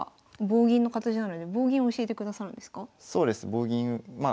棒銀まあ